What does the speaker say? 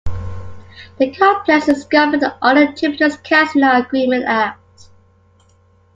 The complex is governed under the "Jupiters Casino Agreement Act".